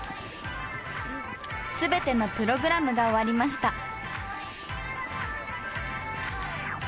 全てのプログラムが終わりました。